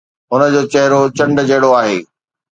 هن جو چهرو چنڊ جهڙو آهي